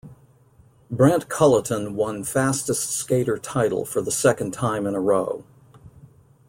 Brent Cullaton won Fastest Skater title for the second time in a row.